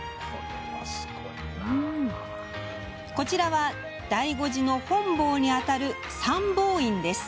こちらは醍醐寺の本坊にあたる三宝院です。